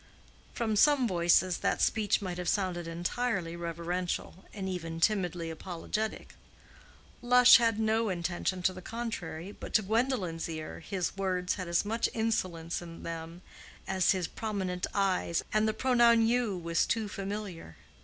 From some voices that speech might have sounded entirely reverential, and even timidly apologetic. Lush had no intention to the contrary, but to Gwendolen's ear his words had as much insolence in them as his prominent eyes, and the pronoun "you" was too familiar.